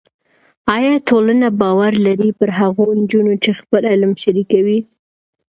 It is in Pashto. ایا ټولنه باور لري پر هغو نجونو چې خپل علم شریکوي؟